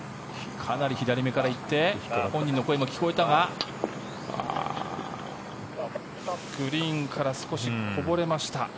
かなり左めから行って本人の声も聞こえたがグリーンから少しこぼれました。